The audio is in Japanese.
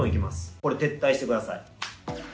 これ、撤退してください。